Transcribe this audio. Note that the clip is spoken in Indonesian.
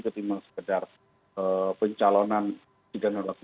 ketimbang sekedar pencalonan